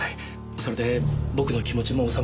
それで僕の気持ちもおさまります。